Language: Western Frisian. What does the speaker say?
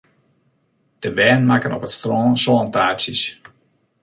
De bern makken op it strân sântaartsjes.